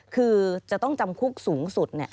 คือจะต้องจำคุกสูงสุด